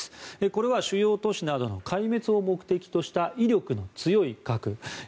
これは主要都市などの壊滅を目的とした威力の強い核。